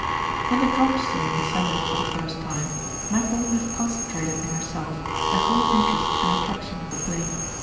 When the drop scene descended for the first time, Magdalen had concentrated in herself the whole interest and attraction of the play.